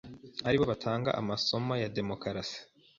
aribo batanga amasomo ya ‘demokarasi